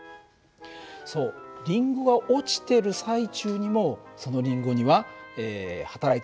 そうりんごが落ちてる最中にもそのりんごにははたらいている力がある。